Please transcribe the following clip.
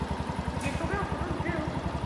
il est tombé en faisant du vélo.